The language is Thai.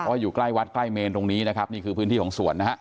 ว่าอยู่ใกล้วัดใกล้เมนตรงนี้นะครับนี่คือพื้นที่ของสวนนะฮะ